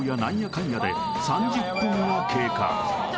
かんやで３０分が経過